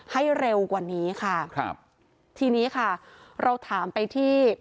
ให้เร็วกว่านี้ค่ะครับทีนี้ค่ะเราถามไปที่